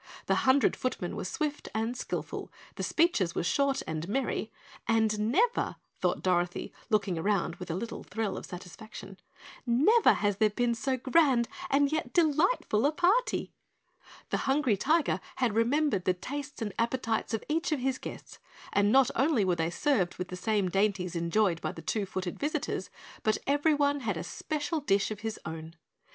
The hundred footmen were swift and skillful, the speeches were short and merry, "and never," thought Dorothy, looking around with a little thrill of satisfaction, "never has there been so grand and yet delightful a party!" The Hungry Tiger had remembered the tastes and appetites of each of his guests, and not only were they served with the same dainties enjoyed by the Two Footed visitors, but every one had a special dish of his own.